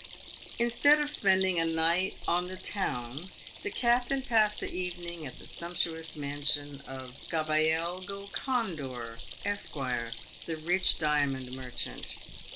Instead of spending a night on town, the captain passed the even ing at the sumptuous mansion of Gabael Golcondor, Esquire, the rich diamond merchant.